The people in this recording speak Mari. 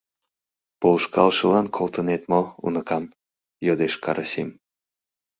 — Полышкалышылан колтеныт мо, уныкам? — йодеш Карасим.